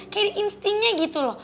kayak instingnya gitu loh